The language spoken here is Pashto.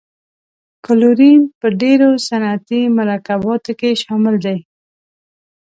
کلورین په ډیرو صنعتي مرکباتو کې شامل دی.